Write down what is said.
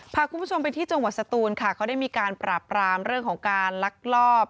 พาคุณผู้ชมไปที่จังหวัดสตูนค่ะเขาได้มีการปราบปรามเรื่องของการลักลอบ